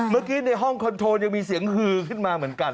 เมื่อกี้ในห้องคอนโทรนยังมีเสียงคือขึ้นมาเหมือนกัน